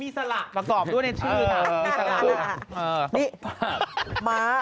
ครับครับ